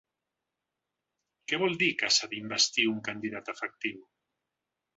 Què vol dir que s’ha d’investir un candidat efectiu?